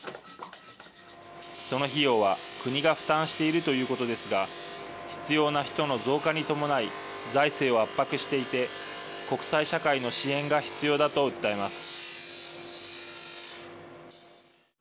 その費用は国が負担しているということですが必要な人の増加に伴い財政を圧迫していて国際社会の支援が必要だと訴えます。